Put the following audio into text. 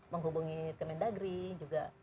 menghubungi kementerian negeri juga